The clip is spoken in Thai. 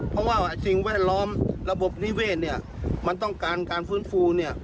เพราะว่าสิ่งแวดล้อมระบบนิเวศเนี่ยมันต้องการการฟื้นฟูเนี่ย